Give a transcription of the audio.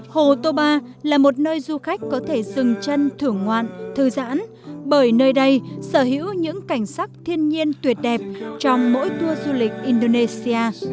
hồ topa là một nơi du khách có thể dừng chân thưởng ngoạn thư giãn bởi nơi đây sở hữu những cảnh sắc thiên nhiên tuyệt đẹp trong mỗi tour du lịch indonesia